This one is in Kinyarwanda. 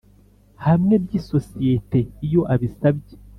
hamwe by isosiyete iyo abisabye